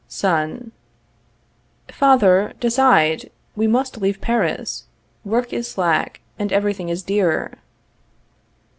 _ Son. Father, decide; we must leave Paris. Work is slack, and everything is dear.